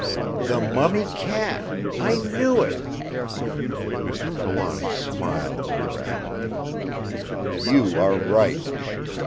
The mummy cat! I knew it!" Mr. Trelawny smiled over at him. "You are right!